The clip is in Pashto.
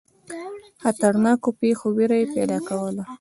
خطرناکو پیښو وېره یې پیدا کوله.